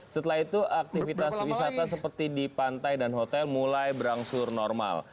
setelah itu aktivitas wisata seperti di pantai dan hotel mulai berangsur normal